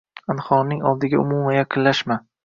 Anhorning oldiga umuman yaqinlashma!